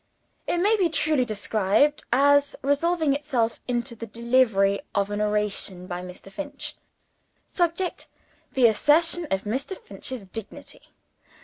It may be truly described as resolving itself into the delivery of an Oration by Mr. Finch. Subject, the assertion of Mr. Finch's dignity.